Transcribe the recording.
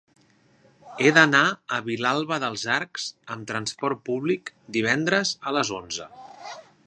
He d'anar a Vilalba dels Arcs amb trasport públic divendres a les onze.